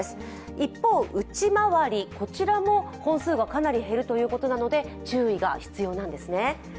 一方、内回りも本数がかなり減るということなので注意が必要なんですね。